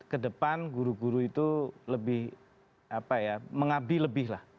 kedepan guru guru itu lebih mengabdi lebih lah